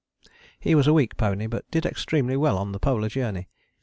He was a weak pony but did extremely well on the Polar Journey.